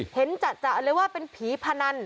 เห็นจัดเลยว่าเป็นผีพนัน